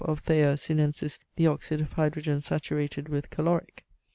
of thea Sinensis the oxyd of hydrogen saturated with caloric.